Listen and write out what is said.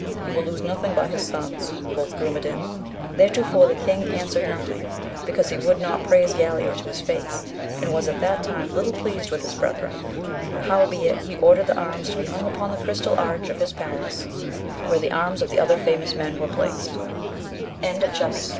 He will lose nothing by his sons, quoth Grumedan; thereto AMADIS OF GAUL. 23^ the king answered nothing, because he would not praise Galaor to his face, and was at that time little pleased with his brethren; howbeit he ordered the arms to be hung upon the crystal arch of his palace, where the arms of other famous men were placed.